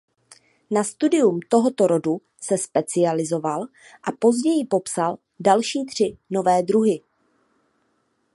Na studium tohoto rodu se specializoval a později popsal další tři nové druhy.